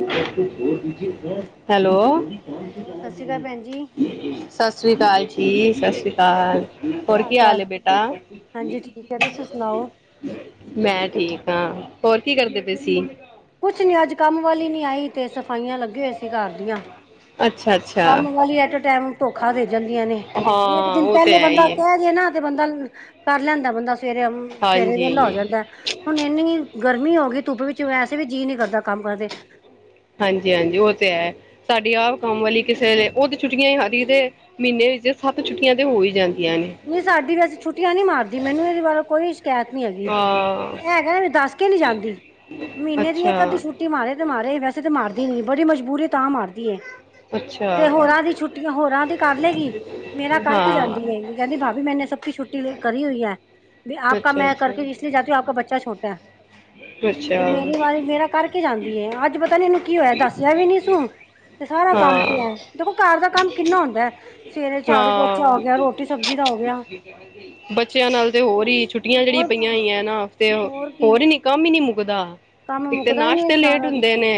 ਸਤਿ ਸ਼੍ਰੀ ਅਕਾਲ ਭੈਣ ਜੀ, ਹੈਲੋ- ਹੈਲੋ। ਹੈਲੋ ਸਤਿ ਸ਼੍ਰੀ ਅਕਾਲ ਭੈਣ ਜੀ [unintelligible] ਸਸ ਰੀ ਕਾਲ ਜੀ, ਸਸ ਰੀ ਕਾਲ। ਹੋਰ ਕੀ ਹਾਲ ਏ ਬੇਟਾ? ਹਾਂਜੀ ਠੀਕ ਹੈ, ਤੁਸੀਂ ਸੁਣਾਓ? ਮੈਂ ਠੀਕ ਆ। ਹੋਰ ਕੀ ਕਰਦੇ ਪੇ ਸੀ? ਕੁਛ ਨੀ ਅੱਜ ਕੰਮ ਵਾਲੀ ਨੀ ਆਈ ਤੇ ਸਫਾਈਯਾਂ ਲੱਗੇ ਹੋਏ ਸੀ ਘਰ ਦੀਯਾਂ। ਅੱਛਾ- ਅੱਛਾ। ਕੰਮ ਵਾਲੀ ਐਟ ਏ ਟੈਮ ਧੋਖਾ ਦੇ ਜਾਂਦੀਆਂ ਨੇ। ਵੀ ਇੱਕ ਹਾਂ ਦਿਨ ਉਹ ਤੇ ਪਹਿਲੇ ਹੈ ਬੰਦਾ ਹੀ ਹੈ ਕਹਿ ਜੇ ਨਾ ਤੇ ਬੰਦਾ ਕਰ ਲੈਂਦੈ ਬੰਦਾ ਸਵੇਰੇ ਅੰ ਸਵੇਰੇ ਵੇਲਾ ਹੋ ਹਾਂਜੀ ਜਾਂਦੈ। ਹੁਣ ਏਨੀ ਗਰਮੀ ਹੋ ਗਈ ਧੁੱਪ ਵਿੱਚ ਵੈਸੇ ਵੀ ਜੀਅ ਨੀ ਕਰਦਾ ਕੰਮ ਕਰਨ ਤੇ। ਹਾਂਜੀ- ਹਾਂਜੀ। ਉਹ ਤੇ ਹੈ, ਸਾਡੀ ਆਪ ਕੰਮ ਵਾਲੀ ਕਿਸੇ ਵੇਲ਼ੇ ਉਥ ਚੁੱਕੀ ਹਾਲੀ ਤੇ ਮੀਨੇ ਵਿੱਚ ਸੱਤ ਛੁੱਟੀਆਂ ਤੇ ਹੋ ਹੀ ਜਾਂਦੀਆਂ ਨੇ। ਨਹੀਂ ਸਾਡੀ ਵੈਸੇ ਛੁੱਟੀਆਂ ਨੀ ਮਾਰਦੀ ਮੈਨੂੰ ਇਦੇ ਵਲੋ ਕੋਈ ਸ਼ਕੈਤ ਨੀ ਹੈਗੀ। ਹਾਂ ਏ ਹੈਗਾ ਐ ਦੱਸ ਕੇ ਨੀ ਜਾਂਦੀ ਮੀਨੇ ਦੀ ਅੱਛਾ ਇਹ ਅੱਧੀ ਛੁੱਟ ਟੀ ਮਾਰੇ ਤੇ ਮਾਰੇ ਵੈਸੇ ਤੇ ਮਾਰਦੀ ਨੀ ਬੜੀ ਮਜਬੂਰੀ ਏ ਤਾਂ ਮਾਰਦੀ ਏ। ਅੱਛਾ ਤੇ ਹੋਰਾਂ ਦੀ ਛੁੱਟੀ ਹੋਰਾਂ ਦੀ ਕਰ ਲੇਗੀ ਮੇਰਾ ਕਰਕੇ ਹਾਂ ਜਾਂਦੀ ਹੈਗੀ। ਕਹਿੰਦੀ ਭਾਬੀ ਮੈਨੇ ਸਭ ਕੀ ਛੁੱਟੀ ਲੀ ਕਰੀ ਹੋਈ ਹੈ। ਵੀ ਆਪ ਅੱਛਾ ਮੈਂ ਅੱਛਾ ਕਰਕੇ ਇਸ ਲਿਏ ਜਾਤੀ ਹੂੰ ਆਪ ਕਾ ਬੱਚਾ ਛੋਟਾ ਐ। ਅੱਛਾ ਤੇ ਮੇਰੀ ਵਾਰੀ ਮੇਰਾ ਕਰਕੇ ਜਾਂਦੀ ਏ ਅੱਜ ਪਤਾ ਨੀ ਏਨੂੰ ਕੀ ਹੋਯੈ ਦੱਸਯਾ ਵੀ ਨੀ ਸੂੰ ਤੇ ਸਾਰਾ ਕੰਮ ਹਾਂ ਪਯੈ, ਦੇਖੋ ਘਰ ਦਾ ਕੰਮ ਕਿੰਨਾ ਹੁੰਦੈ ਸਵੇਰੇ ਝਾੜੂ- ਪੋਚਾ ਹੋ ਗਿਆ ਰੋਟੀ ਸਬਜ਼ੀ ਦਾ ਹੋ ਗਿਆ। ਬੱਚਯਾਂ ਨਾਲ ਤੇ ਹੋਰ ਈ ਛੁੱਟੀਆਂ ਜੇੜੀ ਪਈਆਂ ਹੋਰ ਹੋਈਐ ਨਾ ਤੇ ਹੋਰ ਹੀ ਕੰਮ ਈ ਨੀ ਮੁੱਕਦਾ, ਕੰਮ ਇੱਕ ਤੇ ਮੁੱਕਦਾ ਹੀ ਨੀ ਨਾਸ਼ਤੇ ਲੇਟ ਸਾਰਾ ਦਿਨ ਹੁੰਦੇ ਨੇ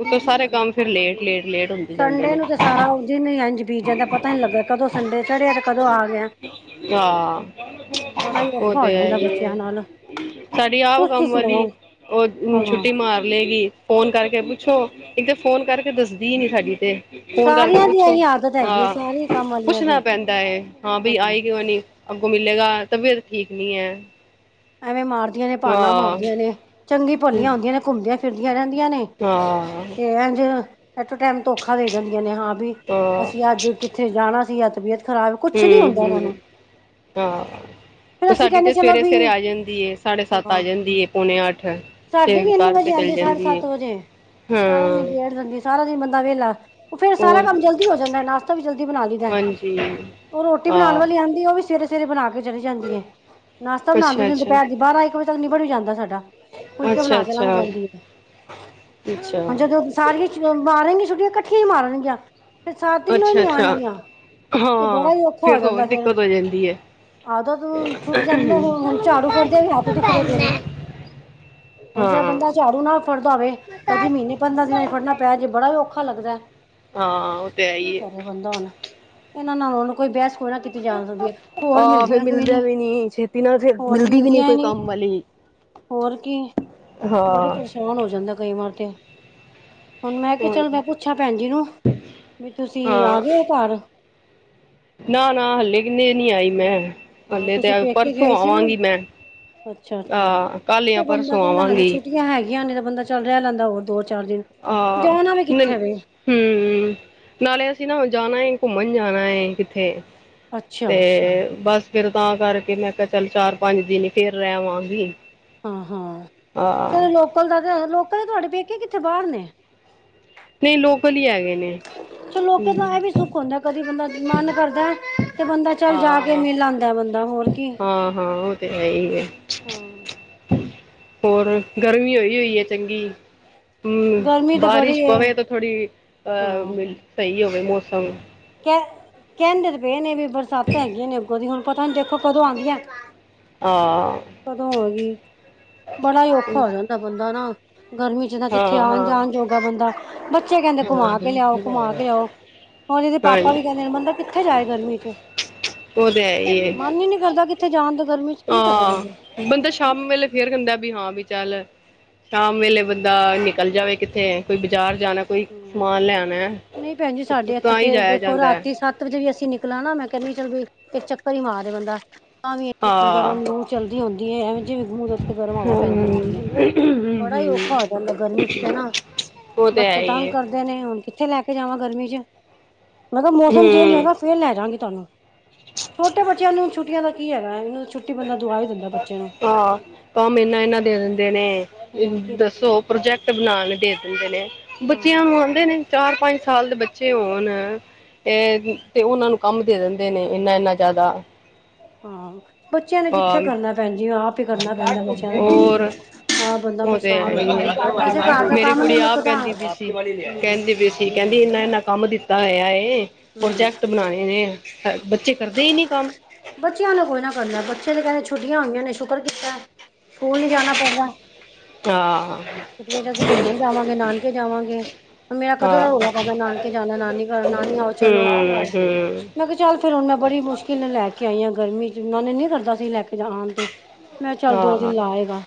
ਓਤੋਂ ਸਾਰੇ ਕੰਮ ਫਿਰ ਲੇਟ, ਲੇਟ, ਲੇਟ। ਹੁੰਦੇ ਜਾਂਦੇ ਸੰਡੇ ਨੇ ਨੂੰ ਤਾਂ ਸਾਰਾ ਓ ਦਿਨ ਹੀ ਇੰਝ ਬੀਤ ਜਾਂਦਾ, ਪਤਾ ਨੀ ਲੱਗਾ ਕਦੋਂ ਸੰਡੇ ਚੜਿਆ, ਤੇ ਕਦੋਂ ਆ ਗਿਆ। ਆ, ਬੜਾ ਹੀ ਓ ਔਖਾ ਹੋ ਤੇ ਹੈ ਜਾਂਦਾ ਈ ਆ। ਬੱਚਿਆਂ ਨਾਲ ਸਾਡੀ ਆਪ ਤੁਸੀਂ ਕੰਮ ਵਾਲੀ ਸੁਣਾਓ ਓ, ਓਈ ਹਾਂ। ਛੁੱਟੀ ਮਾਰ ਲਏਗੀ। ਫੋਨ ਕਰਕੇ ਪੁੱਛੋ, ਇੱਕ ਤਾਂ ਫੋਨ ਕਰਕੇ ਦੱਸਦੀ ਈ ਨੀ ਸਾਡੀ ਤੇ ਫੋਨ ਕਰਕੇ ਸਾਰੀਆਂ ਦੀ ਪੁੱਛੋ, ਇਹੀ ਆਦਤ ਹੈਗੀ ਹੈ ਆ ਸਾਰੀ ਕੰਮ ਵਾਲੀਆਂ ਦੀ ਪੁੱਛਣਾ ਪੈਂਦਾ ਐ। ਹਾਂ। ਆਏਗੀ ਯਾ ਨਈ ਗੋ ਮਿਲੇਗਾ, ਤਬੀਅਤ ਠੀਕ ਨੀ ਐ। ਐਵੇਂ ਮਾਰਦੀਆਂ ਨੇ ਪਾਨਾਂ ਮਾਰਦੀਆਂ ਨੇ ਚੰਗੀ ਭਲੀਆਂ ਹੁੰਦੀਆਂ ਨੇ, ਘੁੰਮਦੀਆਂ ਫਿਰਦੀਆਂ ਰੈਂਦੀਆਂ ਨੇ। ਤੇ ਆਹੋ ਐਂਜ ਅਟੇ ਟੈਮ ਧੋਖਾ ਦੇ ਜਾਂਦੀਆਂ ਨੇ ਹਾਂ ਵੀ, ਹਾਂ ਅਸੀਂ ਅੱਜ ਕਿਤੇ ਜਾਣਾ ਸੀ ਅੱਜ ਤਬੀਅਤ ਖ਼ਰਾਬ ਕੁਛ ਨੀ ਹੁੰਦਾ ਇਹਨਾਂ ਹੂੰ-ਹੂੰ, ਨੂੰ ਫਿਰ ਹਾਂ ਅਸੀਂ ਸਾਡੀ ਕਹਿੰਦੇ ਤੇ ਚਲੋ ਵੀ ਸਵੇਰੇ-ਸਵੇਰੇ ਆ ਜਾਂਦੀ ਏ। ਪੌਣੋ ਸੱਤ ਆ ਹਾਂ ਜਾਂਦੀ ਐ, ਪੌਣੇ ਅੱਠ ਸਾਡੀ ਸਬ ਵੀ ਇੰਨੇ ਕਰ ਕੇ ਵਜੇ ਚਲੇ ਆਂਦੀ ਸਾਢੇ ਜਾਂਦੀ ਆ। ਸੱਤ ਵਜੇ ਸਾਰਾ ਦਿਨ ਬੇਠ ਜਾਂਦੀ, ਸਾਰਾ ਦਿਨ ਬੰਦਾ ਵੇਹਲਾ ਓ ਫੇਰ ਸਾਰਾ ਹੋਰ ਕੰਮ ਜਲਦੀ ਹੋ ਜਾਂਦਾ ਨਾਸ਼ਤਾ ਵੀ ਜਲਦੀ ਬਣਾ ਦਈਦਾ, ਹਾਂਜੀ ਓ ਰੋਟੀ ਬਣਾਂਣ ਹਾਂ ਵਾਲੀ ਆਂਦੀ ਓ ਵੀ ਸਵੇਰੇ ਸਵੇਰੇ ਬਣਾ ਕੇ ਚਲੀ ਜਾਂਦੀ ਏ, ਨਾਸ਼ਤਾ ਅੱਛਾ ਬਣਾਂਦੇ ਅੱਛਾ ਦੁਪੈਰ ਦੀ ਬਾਰਾਂ, ਇੱਕ ਵਜੇ ਤੱਕ ਨਿੱਬੜ ਈ ਜਾਂਦਾ ਸਾਡਾ। ਫੁਲਕੇ ਅੱਛਾ ਬਣਾ ਕੇ ਲੰਘ ਅੱਛਾ ਜਾਂਦੀ ਐ, ਅੱਛਾ ਹੁਣ ਜਦੋਂ ਸਾਰੀਆਂ ਮਾਰਨਗੀਆਂ, ਛੁੱਟੀਆਂ ਕੱਠੀਆਂ ਈ ਮਾਰਨਗੀਆਂ, ਫੇਰ ਤਿੰਨੋ ਈ ਅੱਛਾ ਨੀ ਅੱਛਾ ਆਂਣਗੀਆਂ। ਏ ਹਾਂ ਬੜਾ ਹੀ ਔਖਾ ਹੋ ਫਿਰ ਤਾਂ ਹੋਰ ਜਾਂਦਾ ਫੇਰ, ਦਿੱਕਤ ਹੋ ਜਾਂਦੀ ਏ ਆਦਤ ਛੁੱਟ ਜਾਂਦੀ ਨਾ ਫੇ ਹੁਣ ਝਾੜੂ ਫੜਦਿਆ ਵੀ ਹੱਥ ਦੁਖਦੇ ਪਏ ਨੇ, ਹੁਣ ਹਾਂ ਜੇ ਬੰਦਾ ਝਾੜੂ ਨਾਲ ਫੜਦਾ ਹੋਵੇ, ਕਦੀ ਮਹੀਨੇ, ਪੰਦਰਾਂ ਦਿਨਾਂ ਚ ਫੜਨਾ ਪੈਜੇ, ਬੜਾ ਈ ਔਖਾ ਲੱਗਦਾ। ਹਾਂ ਉਹ ਤੇ ਹੈ ਕੀ ਹੀ ਏ ਕਰੇ ਬੰਦਾ ਹੁਣ, ਏਨਾਂ ਨਾਲ ਹੁਣ ਕੋਈ ਬਹਿਸ ਨਾ ਕੀਤੀ ਜਾ ਸਕਦੀ ਐ, ਹੋਰ ਮਿਲਦੀਆਂ ਕੋਈ ਨੀ। ਨਈ, ਛੇਤੀ ਨਾਲ ਫੇਰ ਹੋਰ ਮਿਲਦੀਆਂ ਨੀ, ਹੋਰ ਕੀ ਬੜੇ ਪਰੇ ਹਾਂ ਪਰੇਸਾਨ ਹੋ ਜਾਂਦਾ ਕਈ ਵਾਰ ਤੇ ਹੁਣ ਮੈਂ ਕਿਹਾ ਚਲ ਮੈਂ ਪੁੱਛਾਂ ਭੈਣ ਜੀ ਨੂੰ, ਵੀ ਤੁਸੀਂ ਆ ਗਏ ਓ ਘਰ? ਨਾ-ਨਾ ਹਾਲੇ ਕਿੰਨੇ ਨੀ ਆਈ ਮੈਂ, ਹਲੇੇ ਤੇ ਆ ਪਰਸੋਂ ਆਵਾਂਗੀ ਮੈਂ। ਅੱਛਾ-ਅੱਛਾ, ਆਹ ਕੱਲ ਜਾਂ ਤੇ ਬੰਦਾ ਪਰਸੋਂ ਕੈਂਦਾ ਹਾਲੇ ਆਵਾਂਗੀ ਛੁੱਟੀਆਂ ਹੈਗੀਆਂ ਨੇ ਬੰਦਾ ਚੱਲ ਰੈ ਲੈਂਦਾ ਹੋਰ ਦੋ-ਚਾਰ ਦਿਨ, ਆਹ ਜਾਣਾ ਵੀ ਨ ਕਿੱਥੇ ਵੇ। ਹੂੰ, ਨਾਲੇ ਅਸੀਂ ਨਾ ਜਾਣਾ ਐ ਘੁੰਮਣ ਜਾਣਾ ਏ ਕਿੱਥੇ ਤੇ ਅੱਛਾ ਅੱਛਾ ਬਸ ਫੇਰ ਤਾਂ ਕਰਕੇ ਮੈਂ ਕਿਆ ਚੱਲ, ਚਾਰ-ਪੰਜ ਦਿਨ ਫੇਰ ਰੈ ਆਵਾਂਗੀ। ਹੂੰ-ਹੂੰ, ਹਾਂ ਚਲੋ ਲੋਕਲ ਦਾ ਤੇ ਲੋਕਲ ਤੁਹਾਡੇ ਪੇਕੇ ਕਿੱਥੇ ਬਾਰ ਨੇ। ਨਈ ਲੋਕਲ ਈ ਹੈਗੇ ਨੇ। ਚ ਲੋਕਲ ਹੂੰ ਦਾ ਐ ਵੀ ਸੁੱਖ ਹੁੰਦਾ, ਕਦੀ ਬੰਦਾ ਮਨ ਕਰਦਾ ਤੇ ਬੰਦਾ ਚੱਲ ਜਾ ਕਿ ਮਿਲ ਆਂਦਾ, ਬੰਦਾ ਹੋਰ ਕੀ ਹਾਂ-ਹਾਂ, ਓ ਤਾਂ ਹੈ ਈ ਐ। ਹਾਂ ਹੋਰ ਗਰਮੀ ਹੋ ਹੋਈ-ਹੋਈ ਐ ਚੰਗੀ, ਹੂੰ ਗਰਮੀ ਤੇ ਬੜੀ ਬਾਰਿਸ਼ ਏ ਪਵੇ ਤਾਂ ਥੋੜ੍ਹੀ ਅ ਸਹੀ ਹੋਵੇ ਮੌਸਮ। ਕਹ ਕੈਂਦੇ ਤੇ ਪਏ ਨੇ ਵੀ ਬਰਸਾਤਾਂ ਹੈਗੀਆ ਨੇ ਅੱਗੋਂ ਦੀ ਹੁਣ ਪਤਾ ਹੁਣ ਦੇਖੋ, ਕਦੋਂ ਆਂਦੀਆ। ਹਾਂ ਕਦੋਂ ਹੋਏਗੀ ਬੜਾ ਔਖਾ ਹੋ ਜਾਂਦਾ ਬੰਦਾ ਨਾ, ਗਰਮੀ ਚ ਜਿੱਦਾਂ ਹਾਂ ਕਿੱਥੇ ਹਾਂ ਆਂਣ ਜਾਣ ਹਾਂ ਜੋਗਾ ਬੰਦਾ, ਬੱਚੇ ਕੈਂਦੇ ਘੁੰਮਾ ਹਾਂਜੀ ਕੇ ਲਿਆਓ, ਘੁੰਮਾ ਕੇ ਲਿਆਓ ਪਾਪਾ ਵੀ ਬੰਦਾ ਕਿੱਥੇ ਜਾਏ ਗਰਮੀ ਚ, ਉਹ ਤੇ ਹੈ ਹੀ ਹੈ ਮਨ ਈ ਨੀ ਕਰਦਾ ਕਿੱਥੇ ਜਾਣ ਦਾ ਗਰਮੀ ਚ ਕੀ ਕਰੇ ਬੰਦੇ ਹਾਂ, ਬੰਦਾ ਸ਼ਾਮ ਵੇਲੇ ਫੇਰ ਕੈਂਦਾ ਹਾਂ, ਬਈ ਚੱਲ ਸ਼ਾਮ ਵੇਲੇ ਬੰਦਾ ਨਿਕਲ ਜਾਵੇ ਕਿੱਥੇ, ਕੋਈ ਬਜ਼ਾਰ ਜਾਣਾ ਕੋਈ ਸਮਾਨ ਲਿਆਂਣਾ ਨਹੀਂ ਤਾਂ ਈ ਜਾਇਆ ਜਾਂਦਾ। ਜੇ ਵੀ ਅਸੀਂ ਨਿਕਲਾਂ ਨਾ ਮੈਂ ਕਹਿੰਦੀ ਚਲ ਵੀ ਇੱਕ ਚੱਕਰ ਹੀ ਮਾਰ ਲੇ ਬੰਦਾ, ਤਾਂ ਵੀ ਇਕ ਹਾਂ ਗਰਮ ਲੂ ਚੱਲਦੀ ਹੁੰਦੀ ਹੈ ਐਵੇ ਜਿਵੇਂ ਮੂੰਹ ਦੇ ਉੱਤੇ ਗਰਮ ਹਵਾ ਪੈਂਦੀ ਹੁੰਦੀ ਹੈ। ਹਮ ਬੜਾ ਈ ਔਖਾ ਹੋ ਜਾਂਦਾ ਗਰਮੀ ਚ ਤੇ ਨਾ ਉਹ ਤੇ ਹੈ ਬੱਚੇ' ਹੀ ਤੰਗ ਹੈ ਨੇ ਹੁਣ ਕਿੱਥੇ ਲੈ ਕੇ ਜਾਵਾਂ ਗਰਮੀ ਚ ਮੈਂ ਕਿਹਾ ਮੌਸਮ ਚੇਂਜ ਹਮ ਹੋਏਗਾ ਫੇਰ ਲੈ ਜਾਂਗੀ ਤੁਹਾਨੂੰ। ਛੋਟੇ ਬੱਚਿਆਂ ਨੂੰ ਹੁਣ ਛੁੱਟੀਆਂ ਦਾ ਕੀ ਹੈਗਾ ਇਹਨਾਂ ਛੁੱ, ਹਾਂ ਕੰਮ ਇਨਾ ਇਨਾ ਦੇ ਦਿੰਦੇ ਨੇ ਹੋਰ ਕੀ ਦੱਸੋ ਪ੍ਰੋਜੈਕਟ ਬਣਾਣ ਦੇ ਦਿੰਦੇ ਨੇ ਹਾਂ ਬੱਚਿਆਂ ਨੂੰ ਆਉਂਦੇ ਨੇ' ਚਾਰ ਪੰਜ ਸਾਲ ਦੇ ਬੱਚੇ ਹੋਣ, ਤੇ, ਤੇ ਉਹਨਾਂ ਨੂੰ ਕੰਮ ਦੇ ਦਿੰਦੇ ਨੇ ਇੰਨਾ ਇੰਨਾ ਜ਼ਿਆਦਾ। ਹਾਂ ਬੱਚਿਆਂ ਨੇ ਕਿੱਥੇ ਹਾਂ ਕਰਨਾ ਭੈਣ ਜੀ ਆਪ ਹੀ ਕਰਨਾ ਪੈਂਦਾ ਬੱਚਿਆਂ ਦਾ ਕੰਮ। ਹੋਰ ਆਪ ਬੰਦਾ ਉਹ ਤੇ ਪਰੇਸ਼ਾਨ ਹੋ ਹੈ ਜਾਂਦਾ ਹੀ ਵੈਸੇ ਘਰ ਆ ਦਾ ਮੇਰੀ ਕੰਮ ਨੀ ਕੁੜੀ ਆਪ ਮੁੱਕਦਾ ਕਹਿੰਦੀ ਪਈ ਸੀ ਹੂੰ ਕਹਿੰਦੀ ਪਈ ਸੀ, ਤੇ ਕਹਿੰਦੀ ਇੰਨਾ ਇੰਨਾ ਕੰਮ ਦਿੱਤਾ ਹੋਇਆ ਇਹ ਹੂੰ ਪ੍ਰੋਜੈਕਟ ਬਣਾਉਣੇ ਨੇ। ਬੱਚੇ ਕਰਦੇ ਹੀ ਨੀ ਕੰਮ। ਬੱਚਿਆਂ ਨੂੰ ਕੋਈ ਨਾ ਕਰਨਾ ਬੱਚੇ ਦੇ ਕਹਿੰਦੇ ਛੁੱਟੀਆਂ ਹੋਈਆਂ ਨੇ ਸ਼ੁਕਰ ਕੀਤਾ। ਸਕੂਲ ਨੀ ਜਾਨਾ ਪੜਦਾ [unintelligible] ਛੁੱਟੀਆਂ ਚ ਅਸੀਂ ਘੁੰਮਣ ਜਾਵਾਂਗੇ, ਨਾਨਕੇ ਜਾਵਾਂਗੇ, ਮੇਰਾ ਕਦੋਂ ਹਾਂ ਨਾ ਰੌਲਾ ਪਾਂਦਾ ਨਾਨਕੇ ਜਾਣਾ ਨਾਨੀ ਘਰ ਨਾਨੀ ਹਾਊਸ [unintelligible] ਮੈਂ ਕਿਹਾ ਚੱਲ ਫਿਰ ਹੁਣ ਮੈਂ ਬੜੀ ਮੁਸ਼ਕਿਲ ਨੇ ਲੈ ਕੇ ਆਈ ਹਾਂ ਗਰਮੀ ਚ ' ਮਨ ਨਹੀਂ ਕਰਦਾ ਸੀ ਲੈ ਕੇ ਜਾਣ। ਮੈਂ ਚੱਲ ਦੋ ਦਿਨ ਹਾਂ ਲਾਏਗਾ।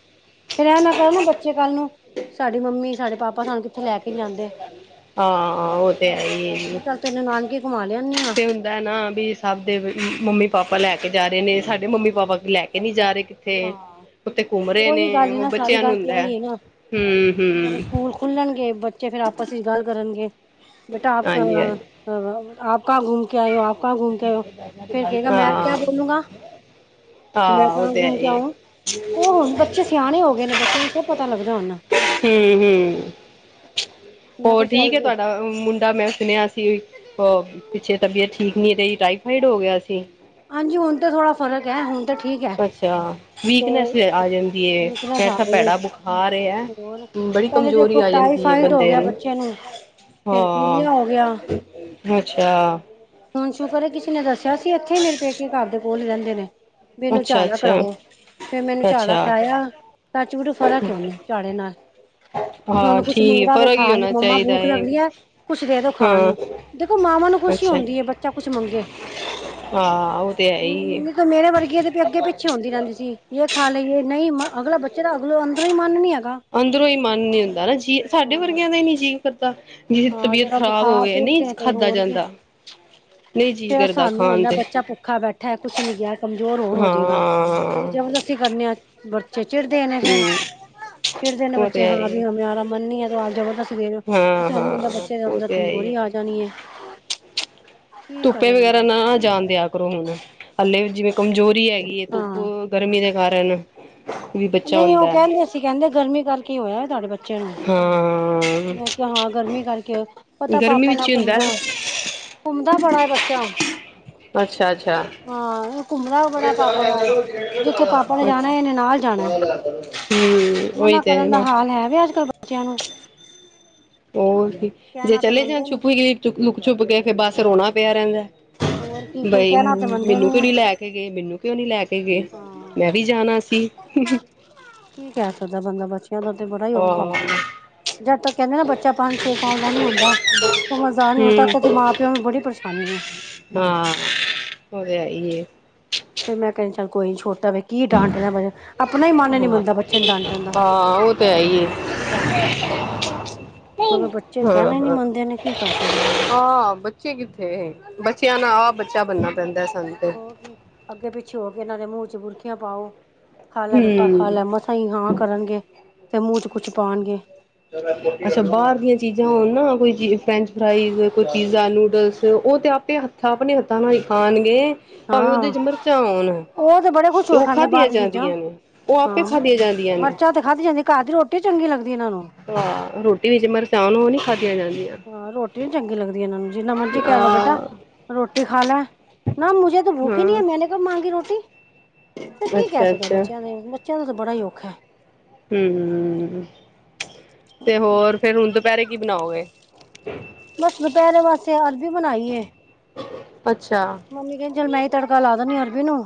ਫਿਰ ਇਹ ਨਾ ਕਹਿ ਨਾ ਬੱਚੇ ਕੱਲ ਨੂੰ ਸਾਡੀ ਮੰਮੀ, ਸਾਡੇ ਪਾਪਾ ਆਪਾਂ ਸਾਨੂੰ ਕਿੱਥੇ ਲੈ ਕੇ ਜਾਂਦੇ ਹਾਂ ਉਹ ਤੇ ਹੈ ਮੈਂ ਹੀ ਹੈ ਕਿਹਾ ਜੀ ਚਲ ਤੈਨੂੰ ਨਾਨਕੇ ਘੁੰਮਾ ਲਿਆਨੀ ਆ। ਤੇ ਹੁੰਦਾ ਨਾ ਬੀਸ ਸਭ ਦੇ ਮੰਮੀ ਪਾਪਾ ਲੈ ਕੇ ਜਾ ਰਹੇ ਨੇ ਸਾਡੇ, ਡੇ ਹਾਂ ਮੰਮੀ ਪਾਪਾ ਲੈ ਕੇ ਨਹੀਂ ਜਾ ਰਹੇ ਕਿੱਥੇ ਹਾਂ ਉੱਥੇ ਘੁੰਮ ਰਹੇ ਨੇ ਉਹੀ ਗੱਲ ਹੈ ਉਹ ਨਾ ਸਾਰੀ ਬੱਚਿਆਂ ਨੂੰ ਗੱਲ ਤੇ ਹੁੰਦਾ। ਆਈ ਹੈ ਨਾ ਫੇਰ [unintelligible] ਸਕੂਲ ਖੁੱਲਣਗੇ ਬੱਚੇ ਫੇਰ ਆਪਸ ਵਿੱਚ ਗੱਲ ਕਰਨਗੇ ਬੇਟਾ ਆਪ ਹਾਂਜੀ ਹਾਂਜੀ ਆਪ, ਕ ਘੁੰਮ ਕੇ ਆਇ ਹੋ ਆਪ ਕਹਾ ਘੁੰਮ ਕੇ ਆਇਓ ਫਿਰ ਕਹੇਗਾ ਮੈਂ ਕਿਆ ਬੋਲੂੰਗਾ, ਮੈਂ ਆਹ ਉਹ ਕਹਾਂ ਤੇ ਘੁੰਮ ਹੈ ਕੇ ਹੀ ਆਊ ਉਹ ਹੁਣ ਬੱਚੇ ਸਿਆਣੇ ਹੋ ਗਏ ਨੇ ਬੱਚਿਆਂ ਨੂੰ ਸਭ ਪਤਾ ਲੱਗਦਾ ਹੁਣ ਏ। [unintelligible] ਮੈਂ ਹੋਰ ਕਿਹਾ ਚੱਲ ਠੀਕ ਏ ਤੁਹਾਡਾ ਮੁੰਡਾ ਮੈਂ ਸੁਣਿਆ ਸੀ ਉਹ ਪਿੱਛੇ ਤਬੀਅਤ ਠੀਕ ਨਹੀਂ ਰਹੀ ਟਾਈਫਾਈਡ ਹੋ ਗਿਆ ਸੀ। ਹਾਂਜੀ ਹੁਣ ਤਾਂ ਥੋੜਾ ਫ਼ਰਕ ਐ ਹੁਣ ਤਾਂ ਠੀਕ ਐ ਅੱਛਾ ਤੇ ਵੀਕਨੈਸ ਅ ਆ ਜਾਂਦੀ ਹੈ ਵਿਕਨੇਸ ਅ ਐਸਾ ਗਏ ਏ ਭੈੜਾ ਬੁਖਾਰ ਹੈ ਹੋਰ ਬੜੀ ਪਹਿਲੇ ਕਮਜ਼ੋਰੀ ਦੇਖੋ ਆ ਜਾਂਦੀ ਹੈ ਟਾਈਫਾਈਡ ਹੋ ਬੰਦੇ ਗਿਆ ਬੱਚੇ ਬੱਚਿਆਂ ਨੂੰ ਫੇਰ ਪਿਲਿਆ ਹੋ ਹਾਂ ਗਿਆ। ਅੱਛਾ। ਹੁਣ ਸ਼ੁਕਰ ਐ ਕਿਸੇ ਨੇ ਦੱਸਿਆ ਸੀ ਇੱਥੇ ਹੀ ਮੇਰੇ ਪੇਕੇ ਘਰ ਦੇ ਕੋਲ ਈ ਰਹਿੰਦੇ ਨੇ। ਮੈਨੂੰ ਅੱਛਾ ਝਾੜ੍ਹਾ ਅੱਛਾ ਕਰਾਇਆ ਫੇਰ ਮੈਨੂੰ ਝਾੜ੍ਹਾ ਅੱਛਾ ਕਰਾਇਆ ਟਚ ਵੁਡ ਫਰਕ ਕਿਉਂ ਨੀ ਝਾੜੇ ਨਾਲ ਹਾਂ ਹੁਣ ਕੁਛ ਠੀਕ ਮੂੰਗਦਾ ਵੇ ਫ਼ਰਕ ਹੀ ਖਾਣ ਨੂੰ ਹੋਣਾ ਮੰਮਾ ਚਾਹੀਦਾ ਭੂਖ ਲੱਗ ਹੈ ਰਿਹੈ ਕੁਛ ਦੇ ਦੋ ਖਾਣ ਹਾਂ ਨੂੰ। ਦੇਖੋ ਮਾਵਾਂ ਨੂੰ ਖੁਸ਼ੀ ਅੱਛਾ ਹੁੰਦੀ ਐ ਬੱਚਾ ਕੁਛ ਮੰਗੇ ਹਾਂ ਉਹ ਤੇ ਹੈ ਹੀ ਹੈ ਹੂੰ ਮੇਰੇ ਵਰਗੀਏ ਦੇ ਵੀ ਅੱਗੇ ਪਿੱਛੇ ਹੁੰਦੀ ਰਹਿੰਦੀ ਸੀ ਯੇ ਖਾਲ਼ੇ ਯੇ ਨਹੀਂ ਮ ਅਗਲਾ ਬੱਚਾ ਚ ਅਗਲੋਂ ਅੰਦਰੋਂ ਹੀ ਮਨ ਨੀ ਹੈਗਾ। ਅੰਦਰੋਂ ਈ ਮਨ ਨੀ ਹੁੰਦਾ ਹਨਾ ਜੀਅ ਸਾਡੇ ਹਾਂ ਵਰਗਿਆਂ ਦਾ ਹੀ ਨੀ ਜੀਅ ਕਰਦਾ। ਹਾਂ ਤਬੀਅਤ-ਤਬੀਅਤ ਜਰਾ ਖ਼ਰਾਬ ਬੁਖਾਰ ਹੋਵੇ, ਤੋਂ ਨਹੀਂ ਉੱਠਿਆ ਤੇ ਖਾਧਾ ਹੋਰ ਕੀ ਜਾਂਦਾ। ਨਹੀਂ ਜੀਅ ਫੇਰ ਕਰਦਾ ਸਾਨੂੰ ਖਾਣ ਹੁੰਦਾ ਤੇ ਬੱਚਾ ਭੁੱਖਾ ਬੈਠਾ ਕੁਛ ਨੀ ਗਿਆ, ਕਮਜ਼ੋਰ ਹੋਰ ਹਾਂ ਹੋਜੇਗਾ। ਅਸੀਂ ਹਮ ਜਬਰਦਸਤੀ ਕਰਨੇ ਆ ਬੱਚੇ ਚਿੜਦੇ ਨੇ ਫੇਰ, ਚਿੜਦੇ ਨੇ ਉਹ ਬੱਚੇ, ਤੇ ਹੈ ਹਾਂ ਵੀ ਹੀ [inaudible] ਫੇਰ, ਹਾਂ ਸਾਨੂੰ ਹੁੰਦਾ ਹਾਂ ਬੱਚੇ ਦੇ ਉਹ ਅੰਦਰ ਤੇ ਹੈ ਹੀ ਕਮਜ਼ੋਰੀ ਆ ਜਾਣੀ ਏ। ਧੁੱਪੇ ਵਗੈਰਾ ਨਾ ਜਾਣ ਦਿਆ ਕਰੋ ਹੁਣ। ਹਲੇੇ ਜਿਵੇਂ ਕਮਜ਼ੋਰੀ ਹੈਗੀ ਏ, ਧੁੱਪ ਹਾਂ ਗਰਮੀ ਦੇ ਕਾਰਨ। ਵੀ ਬੱਚਾ ਨਹੀਂ ਉਹ ਹੁੰਦਾ ਕਹਿੰਦੇ ਸੀ, ਕਹਿੰਦੇ, ਗਰਮੀ ਕਰਕੇ ਈ ਹੋਇਆ ਤੁਹਾਡੇ ਬੱਚ ਬੱਚੇ ਨੂੰ, ਹਾਂ ਮੈਂ ਕਿਹਾ ਹਾਂ ਗਰਮੀ ਕਰਕੇ ਪਤਾ ਗਰਮੀ ਪਾਪਾ ਨਾ ਵਿੱਚ ਹੀ ਹੁੰਦਾ ਘੁੰਮਦਾ‌‌। ਘੁੰਮਦਾ ਬੜਾ ਏ, ਬੱਚਾ। ਹੈ ਅੱਛਾ ਅੱਛਾ ਹਾਂ, ਘੁੰਮਣਾ ਵੀ ਬੜਾ ਪਾਪਾ ਨਾਲ, ਜਿੱਥੇ ਪਾਪਾ ਨੇ ਹਮ ਜਾਣਾ ਇਹਨੇ ਨਾਲ ਜਾਣਾ। ਉਹੀ ਮਨਾ ਤੇ ਕਰਨ ਦਾ ਨਾ ਹਾਲ ਹੈਵੇ ਅੱਜ-ਕੱਲ ਬੱਚਿਆਂ ਨੂੰ। ਓਰ ਕੀ, ਜੇ ਕਹਿਣਾ ਤੇ ਚਲੇ ਜਾਣ ਮੰਨਦੇ ਨੀ ਛੁਪ ਵੀ [unintelligible] [unintelligible] ਲੁਕ-ਛੁਪਕੇ ਫਿਰ ਬੱਸ ਰੋਣਾ ਪਿਆ ਰਹਿੰਦੈ। ਹੋਰ ਕੀ ਫੇਰ ਬਈ, ਕਹਿਣਾ ਤੇ ਮੰਨਦੇ ਮੈਨੂੰ ਕਿਉ ਹੈ ਨੀ ਲੈਕ ਕੇ ਗਏ, ਮੈਨੂੰ ਕਿਉਂ ਨੀ ਲੈਕੇ ਗਏ, ਹਾਂ ਮੈਂ ਵੀ ਜਾਣਾ ਸੀ। ਕੀ ਕਹਿ ਸਕਦਾ ਬੰਦਾ, ਬੱਚਿਆਂ ਦਾ ਤੇ ਬੜਾ ਈ ਔਖਾ ਹੋ ਹਾਂ ਜਾਂਦਾ। ਜਦ ਤੱਕ ਕਹਿੰਦੇ ਨਾ, ਬੱਚਾ ਪੰਜ-ਛੇ ਸਾਲ ਦਾ ਨੀ ਹੁੰਂਦਾ ਸਮਜ਼ਾ ਨਹੀਂ, ਉਦੋਂ ਹਮ ਤਕ ਤੇ ਮਾਂ-ਪਿਓ ਨੂੰ ਬੜੀ ਪਰੇਸ਼ਾਨੀ ਐ। ਹਾਂ, ਓ ਤੇ ਹੈਈ ਏ। ਫੇਰ ਮੈਂ ਕਹਿੰਨ ਚੱਲ ਕੋਈ ਨੀ, ਛੋਟਾ ਵੇ। ਕੀ ਡਾਂਟਣਾ ਬਾਅ'ਚ, ਅਪਣਾ ਈ ਮਨ ਨੀ ਹਾਂ ਮੰਨਦਾ ਬੱਚੇ ਨੂੰ ਡਾਂਟਣ ਦਾ। ਹਾਂ ਉਹ ਤੇ ਹੈ ਹੀ ਹਾਂ ਮਗਰ ਬੱਚੇ ਹਾਂ ਕਹਿਣਾ ਈ ਨੀ ਹਾਂ ਮੰਨਦੇ ਨੇ, ਕੀ ਕਰ ਸਕਦਾ ਬੰਦਾ। ਆਹ ਬੱਚੇ ਕਿੱਥੇ ਹੇ, ਬੱਚਿਆਂ ਨਾਲ ਆਪ ਬੱਚਾ ਬਣਨਾ ਪੈਂਦਾ ਸਾਨੂੰ। ਤੇ ਹੋਰ ਕੀ, ਅੱਗੇ-ਪਿੱਛੇ ਹੋਕੇ ਇਹਨਾਂ ਦੇ ਮੂੰਹ'ਚ ਬੁਰਕੀਆਂ ਪਾਓ ਖਾਲੈ ਬੇਟਾ, ਹਮ ਖਾਲੈ ਮਸ ਮਸਾ ਈ ਹਾਂ ਕਰਨਗੇ, ਫਿਰ ਮੂੰਹ'ਚ ਕੁੱਛ ਪਾਣਗੇ। ਅੱਛਾ ਬਾਹਰ ਦੀਆਂ ਚੀਜ਼ਾਂ ਹੋਣ ਨਾ, ਕੋਈ ਚੀਜ਼ ਫਰੈਂਚ ਫਰਾਈਜ, ਕੋਈ ਪੀਜ਼ਾ, ਨੂਡਲਸ, ਉਹ ਤੇ ਆਪੇ ਏ ਹੱਥ ਆਪਣੇ ਹੱਥਾਂ ਨਾਲ ਈ ਖਾਣਗੇ, ਭਾਵੇਂ ਹਾਂ ਉਹਦੇ'ਚ ਮਰਚਾਂ ਹੋਣ। ਉਹ ਤੇ ਬੜੇ ਖੁਸ਼ ਹੋਕੇ ਉਹ ਖਾਂਦੇ ਖਾਧੀਆਂ ਬਾਹਰ ਦੀਆਂ ਚੀਜ਼ਾਂ, ਜਾਂਦੀਆਂ ਨੇ ਉਹ ਆਪੇ ਹਾਂ, ਖਾਧੀਆਂ ਜਾਂਦੀਆਂ ਨੇ ਮਰਚਾਂ ਤੇ ਖਾਦੀ ਜਾਂਦੀ, ਘਰ ਦੀ ਰੋਟੀ ਨੀ ਚੰਗੀ ਲੱਗਦੀ ਇਹਨਾਂ ਨੂੰ। ਹਾਂ, ਰੋਟੀ ਵਿੱਚ ਮਰਚਾਂ ਹੋਣ, ਉਹ ਨੀ ਖਾਦੀਆਂ ਜਾਂਦੀਆਂ। ਹਾਂ ਰ੍ਹੋਟੀ ਨੀ ਚੰਗੀ ਲੱਗਦੀ ਇਹਨਾ ਨੂੰ, ਜਿਨ੍ਹਾਂ ਮਰਜੀ ਕਹਿਲੋ ਬੇਟਾ, ਆਹ ਰੋਟੀ ਖਾਲੈ ਨਾ ਮੁਝੇ [inaudible] ਹਾਂ ਤੇ ਕੀ ਕਹਿ ਅੱਛਾ ਸਕਦੇ ਆ‌ ਅੱਛਾ ਬੱਚਿਆਂ ਦੇ, ਬੱਚਿਆਂ ਦਾ ਤਾਂ ਬੜਾ ਈ ਔਖਾ। ਹੂੰ, ਤੇ ਹੋਰ ਫੇਰ ਹੁਣ ਦੁਪਹਿਰੇ ਕੀ ਬਣਾਓਗੇ? ਬਸ ਦੁਪਹਿਰੇ ਵਾਸਤੇ ਅਰਬੀ ਬਣਾਈ ਏ। ਅੱਛਾ ਮੰਮੀ ਕਹਿੰਦੀ ਚਲ ਮੈਂ ਈ ਤੜਕਾ ਲਾ ਦੰਨੀ ਆ, ਅਰਬੀ ਨੂੰ।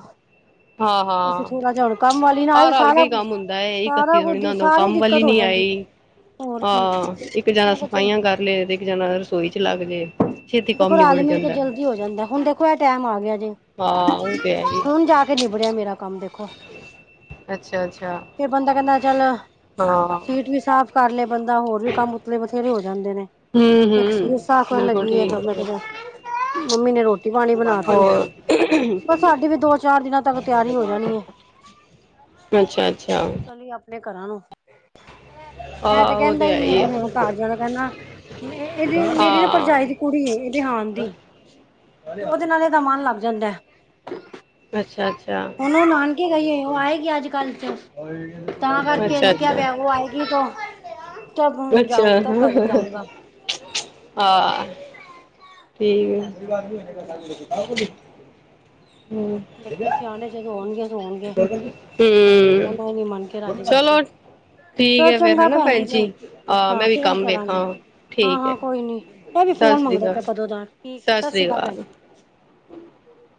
ਹਾਂ ਅਸੀਂ ਹਾਂ ਥੋੜ੍ਹਾ ਜਿਹਾ ਹੁਣ ਕੰਮ ਵਾਲੀ ਨਾ ਆਹ ਆਈ ਰਲ ਕੇ ਸਾਰਾ ਹੀ ਕੁਛ, ਕੰਮ ਹੁੰਦਾ ਹੈ ਸਾਰਾ ਇਕੱਤੀ ਥੋੜੀ ਨਾ ਕੁ ਹੁੰਦਾ ਉਹ ਸਾਰੀ ਕੰਮ ਦਿੱਕਤ ਵਾਲੀ ਹੋ ਨੀ ਜਾਂਦੀ। ਆਈ ਹੋਰ ਕੀ ਹਾਂ, ਇੱਕ ਜਣਾ ਮੈਂ ਕਿਹਾ ਚਲ ਸਫਾਈਆਂ ਕਰ ਲੇ, ਦੇ ਇਕ ਜਾਣਾ ਰਸੋਈ'ਚ ਲੱਗਜੇ, ਛੇਤੀ ਕੰਮ ਦੇਖੋ ਨਿਬੜ ਰਲ ਮਿਲ ਕੇ ਜਾਂਦਾ। ਜਲਦੀ ਹੋ ਜਾਂਦਾ, ਹੁਣ ਦੇਖੋ ਇਹ ਟਾਈਮ ਆ ਗਿਆ ਜੇ। ਹਾ, ਉਹ ਤੇ ਹੈਈ। ਹੁਣ ਨਿਬੜਿਆ ਮੇਰਾ ਕੰਮ ਦੇਖੋ। ਅੱਛਾ ਅੱਛਾ ਫਿਰ ਬੰਦਾ ਕਹਿੰਦਾ ਚੱਲ, ਹਾਂ ਸੀਟ ਵੀ ਸਾਫ਼ ਕਰਲੇ ਬੰਦਾ, ਹੋਰ ਵੀ ਕੰਮ ਉਤਲੇ ਬਥੇਰੇ ਹੋ ਜਾਂਦੇ ਨੇ। ਹੂੰ ਇੱਕ ਸੀਟ ਹੂੰ ਸਾਫ ਕਰਨ ਬਿਲਕੁਲ ਲੱਗੀ ਏ, ਠੀਕ ਮੈਂ ਹੈ। ਕਿਆ ਚਲ ਮੰਮੀ ਨੇ ਰੋਟੀ-ਪਾਨੀਬਣਾ ਤੀ, ਹੋਰ ਬ ਸਾਡੀ ਵੀ ਦੋ-ਚਾਰ ਦਿਨਾਂ ਤੱਕ ਤਿਆਰੀ ਹੋ ਜਾਣੀ ਏ। [inaudible] ਅੱਛਾ-ਅੱਛਾ। ਘਰਾਂ ਨੂੰ, ਐ ਤੇ ਆਹ ਉਹ ਕੈਂਦਾ ਹੈ ਹੀਈ ਐ ਹੀ ਵੀ ਹੁਨ ਹੈ ਘਾਰ ਜਾਣਾ ਕੈਂਦਾ, ਨਾਂ ਮ ਏਦੀ ਮੇਰੀ ਨਾ ਭਰਜਾਈ ਹਾਂ ਦੀ ਕੁੜੀ ਏ, ਏ ਦੇ ਹਾਨ ਦੀ ਤੇ, ਓਦੇ ਨਾਲ ਦਾ ਮਨ ਲੱਗ ਜਾਂਦੈ। ਅੱਛਾ-ਅੱਛਾ। ਹੁਨ ਓ ਨਾਨਕੇ ਗਈ ਏ, ਓ ਆਏਗੀ ਅੱਜ-ਕੱਲ ਚ ਤਾਂ ਕਾਰਕੇ ਐ ਅੱਛਾ ਰੁਕਿਆ ਅੱਛਾ ਪੇਆ ਓ ਆਏਗੀ ਤੋ ਤਬ ਜਾਊ ਤਬ ਤਾਂ ਜਾਉਂਗਾ। ਆ, ਠੀਕੇ। ਕੀ ਕਹਿ ਸਕਦਾ ਬੰਦਿਆਂ ਦਾ ਬੱਚੇ ਸਿਆਣੇ ਜਦੋਂ ਹੋਣਗੇ ਤੇ ਹੋਨਗੇ, ਹਲੇ ਤਾਂ ਕੈਣਾ ਹੀ ਹੂੰ ਨੀ ਮੰਨ ਕੇ ਰਾਜੀ ਬੱਚੇ। ਚਲੋ ਚੋ ਠੀਕ ਹੈ ਫੇਰ ਚੰਗਾ ਹਨਾ ਭੈਣ ਜੀ ਫੇਰ, ਆ ਹਾਂ ਮੈਂ ਵੀ ਫੇਰ ਰ ਕੰਮ ਕਰਾਂਗੀ ਵੇਖਾਂ ਠੀਕ ਹਾਂ-ਹਾਂ ਹੈ ਕੋਈ ਨੀ। ਐ ਵੀ ਸਤਿ ਫੋਨ ਸ੍ਰੀ ਮੰਗਦਾ ਅਕਾਲ, ਪੇਆ ਕਦੋਂ ਦਾ, ਸਤਿ ਸਸ਼੍ਰੀ ਸ੍ਰੀ ਕਾਲ ਭੈਣ ਅਕਾਲ। [inaudible]